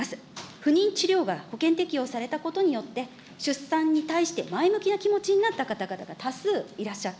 不妊治療が保険適用されたことによって、出産に対して前向きな気持ちになった方々が多数いらっしゃった。